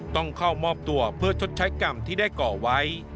ต้องเข้ามอบตัวเพื่อชดใช้กรรมที่ได้ก่อไว้